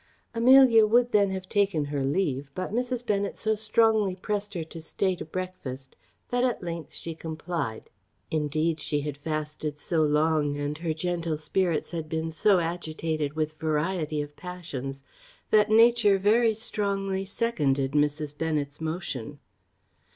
Amelia would then have taken her leave, but Mrs. Bennet so strongly pressed her to stay to breakfast, that at length she complied; indeed, she had fasted so long, and her gentle spirits had been so agitated with variety of passions, that nature very strongly seconded Mrs. Bennet's motion.